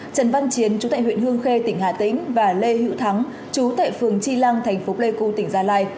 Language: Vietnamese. trần văn chiến chú tại huyện hương khê tỉnh hà tĩnh và lê hữu thắng chú tại phường chi lăng thành phố lê cư tỉnh gia lai